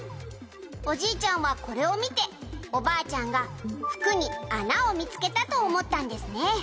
「おじいちゃんはこれを見ておばあちゃんが服に穴を見つけたと思ったんですね」